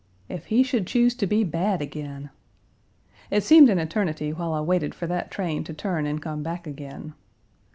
If he should choose to be bad again! It seemed an eternity while I waited for that train to turn and come back again.